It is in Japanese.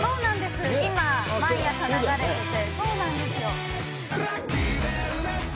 今毎朝流れてて。